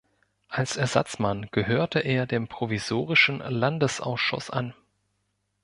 Als Ersatzmann gehörte er dem provisorischen Landesausschuss an.